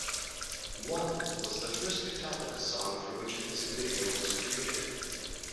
"One" was the first Metallica song for which a music video was created.